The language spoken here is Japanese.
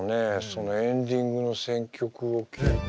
そのエンディングの選曲を聞いて。